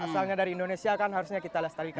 asalnya dari indonesia kan harusnya kita lestarikan